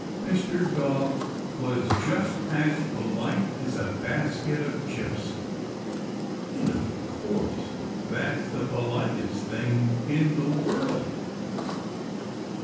Mr. Dog was just as polite as a basket of chips, and of course that's the politest thing in the world.